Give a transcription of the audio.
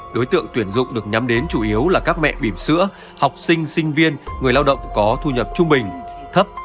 đối tượng tuyển dụng được nhắm đến chủ yếu là các mẹ bìm sữa học sinh sinh viên người lao động có thu nhập trung bình thấp